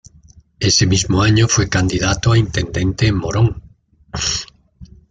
Ese mismo año fue candidato a intendente en Morón.